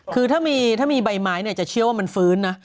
คือถ้ามีใบไม้จะเชื่อว่ามันฟื้นนะ